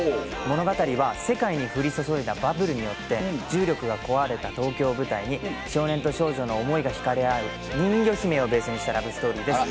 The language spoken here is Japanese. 物語は世界に降り注いだバブルによって重力が壊れた東京を舞台に少年と少女の思いが引かれ合う『人魚姫』をベースにしたラブストーリーです。